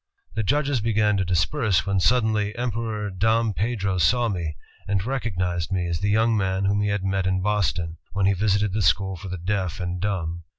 The judges began to disperse, when suddenly Emperor Dom Pedro saw me, and recognized me as the young man whom he had met m Boston, when he visited the school for the deaf and dumb.